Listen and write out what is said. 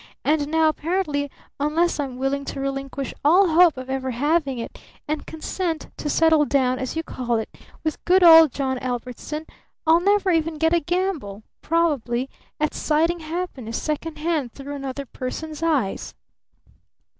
And now apparently, unless I'm willing to relinquish all hope of ever having it, and consent to 'settle down,' as you call it, with 'good old John Ellbertson' I'll never even get a gamble probably at sighting Happiness second hand through another person's eyes!"